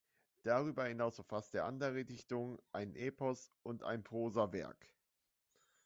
Darüber hinaus verfasste er andere Dichtungen, ein Epos und ein Prosawerk.